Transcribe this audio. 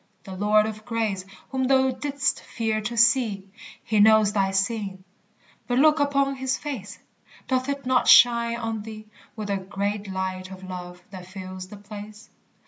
the Lord of grace Whom thou didst fear to see He knows thy sin but look upon his face! Doth it not shine on thee With a great light of love that fills the place?